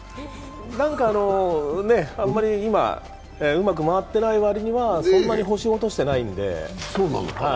なぜかあんまり今うまく回ってないわりにはそんなに星を落としてないんで。